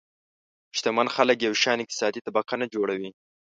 شتمن خلک یو شان اقتصادي طبقه نه جوړوي.